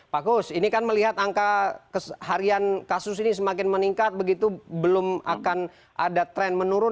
pak kus ini kan melihat angka harian kasus ini semakin meningkat begitu belum akan ada tren menurun